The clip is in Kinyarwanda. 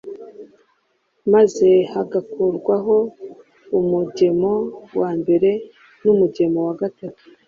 maze hagakurwaho umugemo wa mbere n’umugemo wa gatatu,